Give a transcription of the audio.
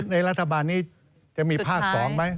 ในรัฐบาลนี้จะมีภาคสองไหม